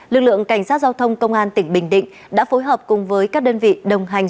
lực lượng cảnh sát giao thông công an tỉnh bình định đã phối hợp cùng với các đơn vị đồng hành